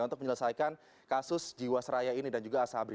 untuk menyelesaikan kasus jiwasraya ini dan juga asabri